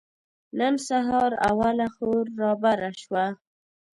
نن سهار اوله خور رابره شوه.